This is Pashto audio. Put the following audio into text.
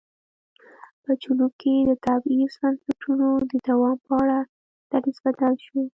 په جنوب کې د تبعیض بنسټونو د دوام په اړه دریځ بدل شو.